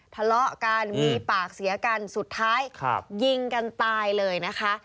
ทะเลาะกันมีปากเสียกันสุดท้ายยิงกันตายเลยนะคะ